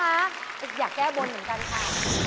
อยากแก้บนเหมือนกันค่ะ